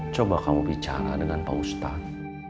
coba kamu bicara dengan pak ustadz